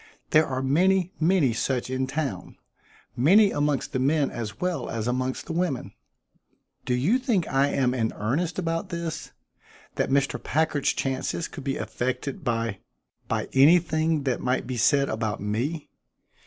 There are many, many such in town; many amongst the men as well as amongst the women. Do you think I am in earnest about this that Mr. Packard's chances could be affected by by anything that might be said about me?